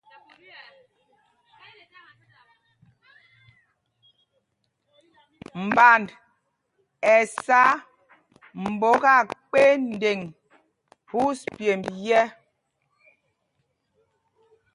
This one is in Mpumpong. Mband ɛ́ sá mbok akpendeŋ phūs pyêmb yɛ̄.